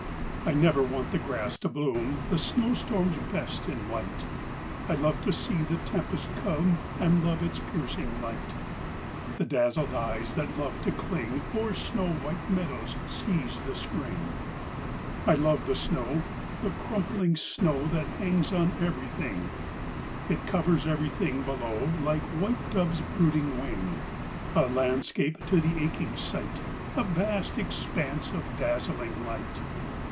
I never want the grass to bloom: The snowstorm's best in white. I love to see the tempest come And love its piercing light. The dazzled eyes that love to cling O'er snow white meadows sees the spring. I love the snow, the crumpling snow That hangs on everything, It covers everything below Like white dove's brooding wing, A landscape to the aching sight, A vast expanse of dazzling light.